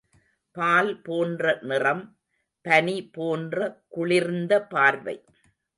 பால் போன்ற நிறம், பனி போன்ற குளிர்ந்த பார்வை.